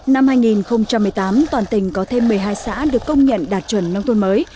năm hai nghìn một mươi tám toàn tỉnh có thêm một mươi hai xã được công nhận đạt chuẩn nông thôn mới